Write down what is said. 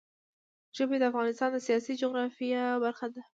ژبې د افغانستان د سیاسي جغرافیه برخه ده.